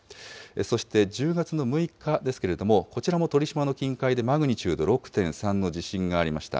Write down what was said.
そして、１０月の６日ですけれども、こちらも鳥島の近海でマグニチュード６．３の地震がありました。